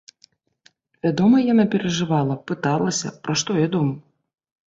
Вядома, яна перажывала, пыталася, пра што я думаў.